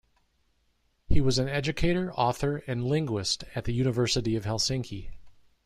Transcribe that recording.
He was an educator, author and linguist at the University of Helsinki.